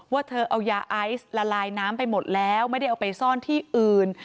เธอเอายาไอซ์ละลายน้ำไปหมดแล้วไม่ได้เอาไปซ่อนที่อื่น